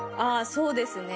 そうですね。